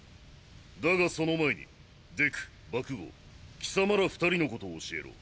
だがその前にデクバクゴー貴様ら２人のことを教えろ。